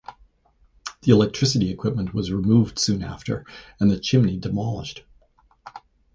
The electricity equipment was removed soon after and the chimney demolished.